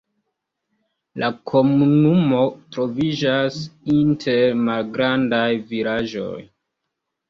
La komunumo troviĝas inter malgrandaj vilaĝoj.